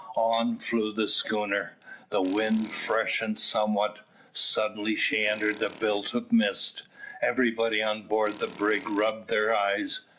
On flew the schooner. The wind freshened somewhat. Suddenly she entered the belt of mist. Everybody on board the brig rubbed their eyes.